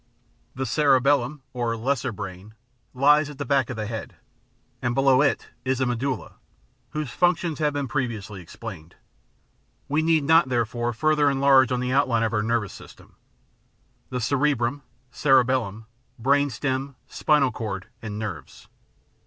The cerebellmn, or lesser brain, lies at the back of the head, and below it is the medulla, whose functions have been previously explained. We need, not, therefore, further enlarge on the out line of our nervous system — ^the cerebrum, cerebeDum, brain stem, spinal cord, and nerves.